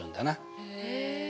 へえ。